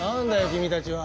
君たちは。